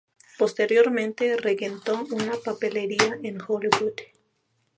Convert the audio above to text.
Posteriormente regentó una papelería en Hollywood.